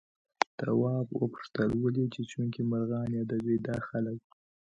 تواب وپوښتل ولې چیچونکي مرغان يادوي دا خلک؟